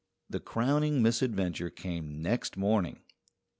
The crowning misadventure came next morning.